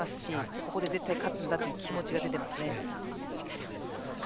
ここで絶対勝つんだという気持ちが出ています。